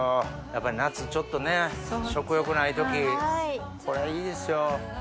やっぱり夏ちょっとね食欲ない時これいいですよ。